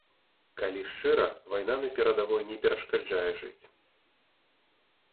Калі шчыра, вайна на перадавой не перашкаджае жыць.